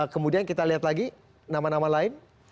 kemudian kita lihat lagi nama nama lain